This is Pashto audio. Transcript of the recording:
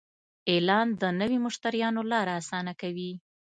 اعلان د نوي مشتریانو لاره اسانه کوي.